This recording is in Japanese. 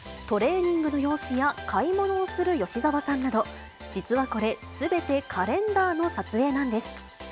トレーニングの様子や買い物をする吉沢さんなど、実はこれ、すべてカレンダーの撮影なんです。